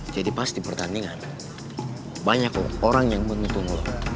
jadi pas di pertandingan banyak orang yang menuntun lo